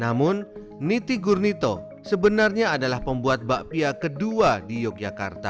namun niti gurnito sebenarnya adalah pembuat bakpia kedua di yogyakarta